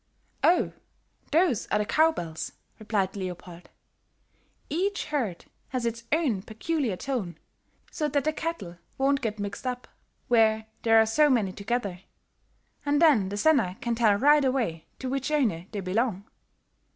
"Oh, those are the cow bells," replied Leopold. "Each herd has its own peculiar tone, so that the cattle won't get mixed up, where there are so many together. And then the senner can tell right away to which owner they belong."